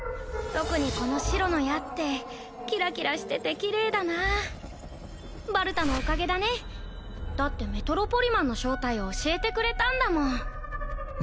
特にこの白の矢ってキラキラしててキレイだなバルタのおかげだねだってメトロポリマンの正体を教えてくれたんだもん